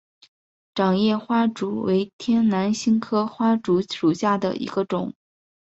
掌叶花烛为天南星科花烛属下的一个种。